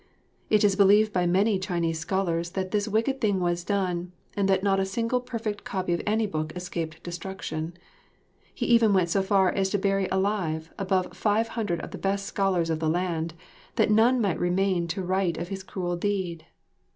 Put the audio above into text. It is believed by many Chinese scholars that this wicked thing was done, and that not a single perfect copy of any book escaped destruction. He even went so far as to bury alive above five hundred of the best scholars of the land, that none might remain to write of his cruel deed.